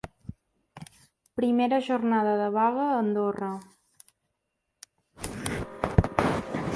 Primera jornada de vaga a Andorra.